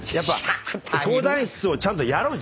相談室をちゃんとやろう。